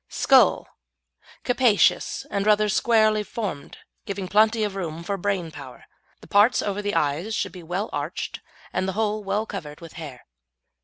SKULL Capacious, and rather squarely formed, giving plenty of room for brain power. The parts over the eyes should be well arched and the whole well covered with hair.